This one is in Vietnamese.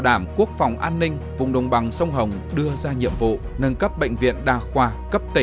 đảm quốc phòng an ninh vùng đồng bằng sông hồng đưa ra nhiệm vụ nâng cấp bệnh viện đa khoa cấp